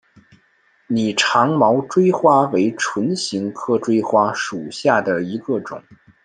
拟长毛锥花为唇形科锥花属下的一个种。